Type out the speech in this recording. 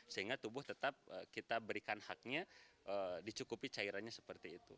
sehingga tubuh tetap kita berikan haknya dicukupi cairannya seperti itu